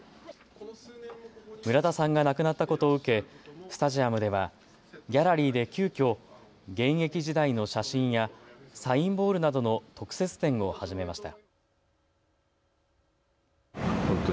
村田さんが亡くなったことを受けスタジアムではギャラリーで急き現役時代の写真やサインボールなどの特設展を始めました。